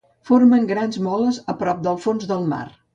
Formen grans moles a prop del fons del mar.